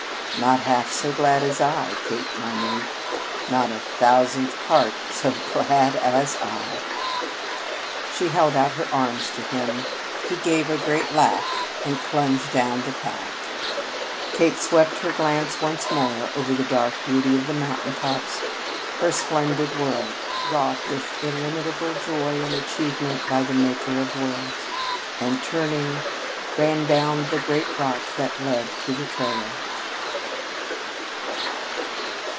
"Not half so glad as I, Kate, my mate, not a thousandth part so glad as I." She held out her arms to him. He gave a great laugh and plunged down the path. Kate swept her glance once more over the dark beauty of the mountain tops her splendid world, wrought with illimitable joy in achievement by the Maker of Worlds, and turning, ran down the great rock that led to the trail.